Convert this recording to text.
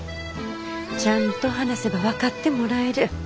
ちゃんと話せば分かってもらえる。